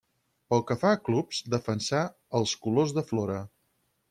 Pel que fa a clubs, defensà els colors de Flora.